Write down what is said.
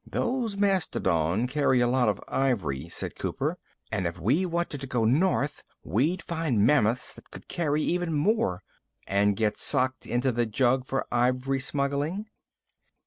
"Those mastodon carry a lot of ivory," said Cooper. "And if we wanted to go north, we'd find mammoths that would carry even more...." "And get socked into the jug for ivory smuggling?"